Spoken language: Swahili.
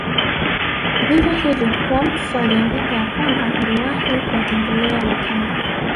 Vivyo hivyo Krapf aliandika ya kwamba aliwahi kuwatembela Wakamba